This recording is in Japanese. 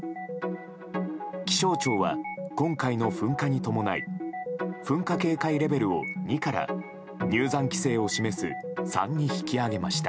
気象庁は今回の噴火に伴い噴火警戒レベルを２から入山規制を示す３に引き上げました。